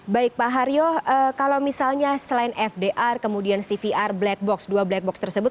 baik pak haryo kalau misalnya selain fdr kemudian cvr black box dua black box tersebut